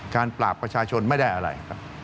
การปราบประชาชนไม่ได้อะไร